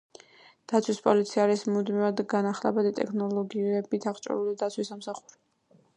დაცვის პოლიცია არის მუდმივად განახლებადი ტექნოლოგიებით აღჭურვილი დაცვის სამსახური.